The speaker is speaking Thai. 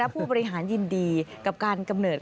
ผู้บริหารยินดีกับการกำเนิด